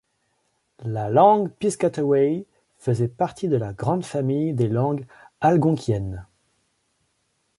La langue piscataway faisait partie de la grande famille des langues algonquiennes.